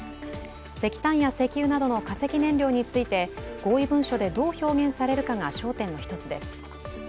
石炭や石油などの化石燃料について合意文書でどう表現されるかが焦点の一つです。